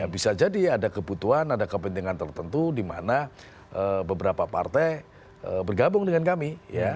bisa jadi ada kebutuhan ada kepentingan tertentu di mana beberapa partai bergabung dengan kami